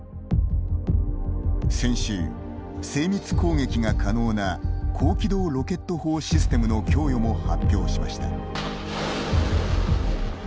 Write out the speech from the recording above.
先週、精密攻撃が可能な高機動ロケット砲システムの供与も発表しました。